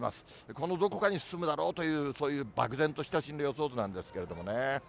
このどこかに進むだろうという、そういうばく然とした進路予想図なんですけどもね。